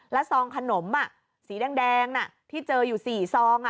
แล้วซองขนมสีแดงที่เจออยู่๔ซอง